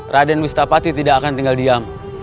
raden wistapati tidak akan tinggal diam